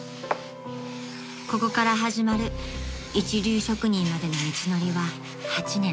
［ここから始まる一流職人までの道のりは８年］